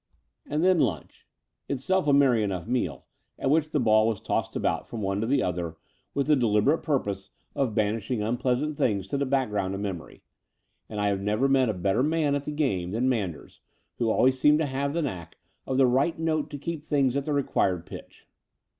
And then Itmch, itself a merry enough meal, at which the ball was tossed about from one to another with the deliberate purpose of banishing 254 Tlie Door of the Unreal unpleasant things to the background of memory : and I never met a better man at the game than Manders, who always seems to have the knack of the right note to keep things at the required pitch.